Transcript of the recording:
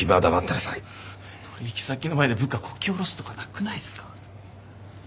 取引先の前で部下こき下ろすとかなくないっすか？